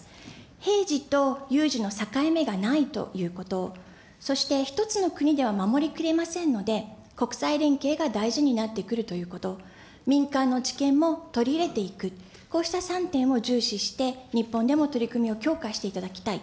平時と有事の境目がないということ、そして一つの国では守り切れませんので、国際連携が大事になってくるということ、民間の知見も取り入れていく、こうした３点を重視して、日本でも取り組みを強化していただきたい。